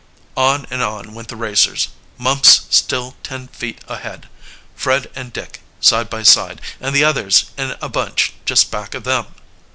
On and on went the racers, Mumps still ten feet ahead, Fred and Dick side by side, and the others in a bunch just back of them.